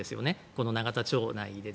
この永田町内で。